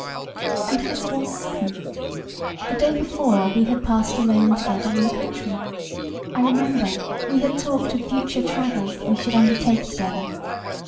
And this was sudden. The day before we had passed alone together in the country; I remember we had talked of future travels that we should undertake together